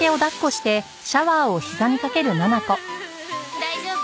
大丈夫？